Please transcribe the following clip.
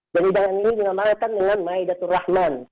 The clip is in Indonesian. dan hidangan ini dinamakan dengan maidatul rahman